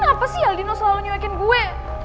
kenapa sih aldino selalu nyelekin gue